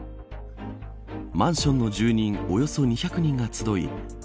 マンションの住人およそ２００人が集い